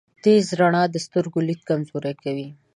تیزه رڼا د سترګو لید کمزوری کوی.